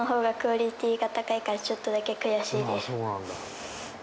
ああそうなんだ。